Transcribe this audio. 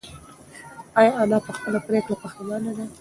ایا انا په خپله پرېکړه پښېمانه ده؟